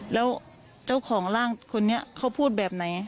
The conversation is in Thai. แล้วเจ้าของร่างคนนี้เขาพูดแบบไหน